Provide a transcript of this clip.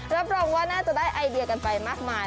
รับรองว่าน่าจะได้ไอเดียกันไปมากมาย